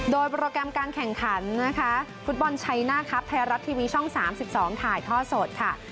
โดยโปรแกรมการแข่งขันนะคะฟุตบอลชัยหน้าครับไทยรัฐทีวีช่อง๓๒ถ่ายท่อสดค่ะ